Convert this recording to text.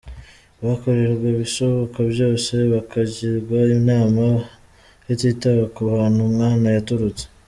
Bakorerwa ibishoboka byose bakagirwa inama hatitawe ku hantu umwana yaturutse.